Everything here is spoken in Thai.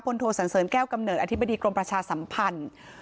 โทสันเสริญแก้วกำเนิดอธิบดีกรมประชาสัมพันธ์